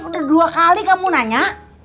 udah dua kali kamu nanya